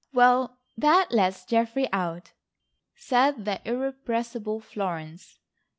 "Well, that lets Geoffrey out," said the irrepressible Florence.